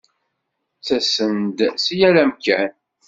Ttasen-d si yal amkan.